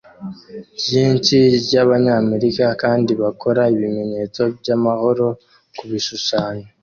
ryinshi ryabanyamerika kandi bakora ibimenyetso byamahoro kubishusho